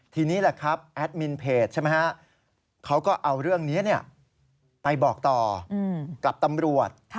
ทีนี้แอดมินเพจเขาก็เอาเรื่องนี้ไปบอกต่อกับตำรวจ